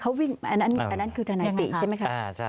เขาวิ่งอันนั้นคือทนายติใช่ไหมคะ